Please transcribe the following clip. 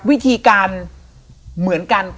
วิธีการเหมือนกัน